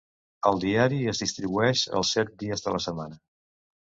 El diari es distribueix els set dies de la setmana.